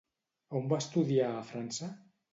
On va estudiar a França?